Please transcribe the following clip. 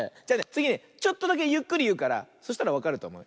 つぎねちょっとだけゆっくりいうからそしたらわかるとおもう。